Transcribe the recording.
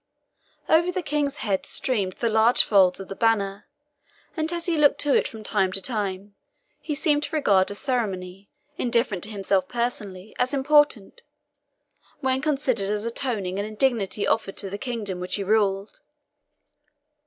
Over the King's head streamed the large folds of the banner, and, as he looked to it from time to time, he seemed to regard a ceremony, indifferent to himself personally, as important, when considered as atoning an indignity offered to the kingdom which he ruled.